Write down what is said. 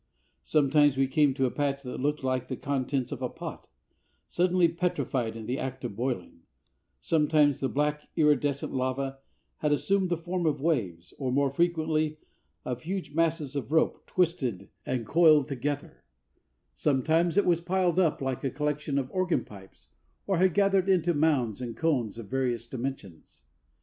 Sometimes we came to a patch that looked like the contents of a pot, suddenly petrified in the act of boiling; sometimes the black, iridescent lava had assumed the form of waves, or more frequently of huge masses of rope, twisted and coiled together; sometimes it was piled up like a collection of organ pipes, or had gathered into mounds and cones of various dimensions.